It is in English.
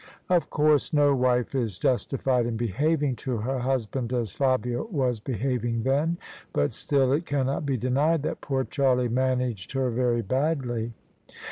Of course no wife is justified in behav ing to her husband as Fabia was behaving then : but still it cannot be denied that poor Charlie managed her very badly.